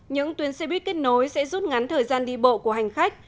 những tuyến xe buýt kết nối sẽ rút ngắn thời gian đi bộ của hành khách